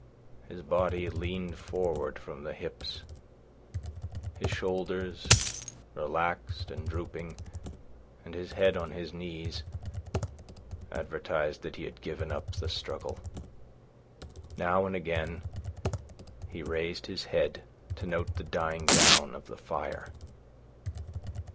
His body leaned forward from the hips. His shoulders, relaxed and drooping, and his head on his knees advertised that he had given up the struggle. Now and again he raised his head to note the dying down of the fire.